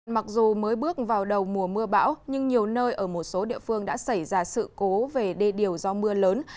mặc dù mới bước vào đầu mùa mưa bão nhưng nhiều nơi ở một số địa phương đã xảy ra sự cố về đê điều do mưa lớn